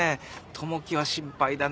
友樹は心配だな。